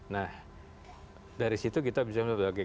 nah dari situ kita bisa melihat lagi